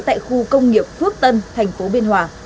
tại khu công nghiệp phước tân thành phố biên hòa